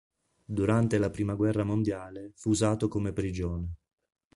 Durante la prima guerra mondiale fu usato come prigione.